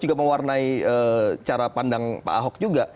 juga mewarnai cara pandang pak ahok juga